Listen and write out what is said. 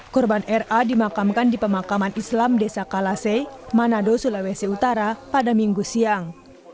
korban ra dimakamkan di pemakaman islam desa kalasei manado sulawesi utara pada minggu siang